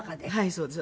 そうです。